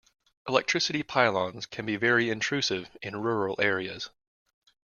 Electricity pylons can be very intrusive in rural areas